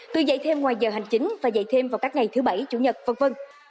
tư dạy thêm ngoài giờ hành chính và dạy thêm vào các ngày thứ bảy chủ nhật v v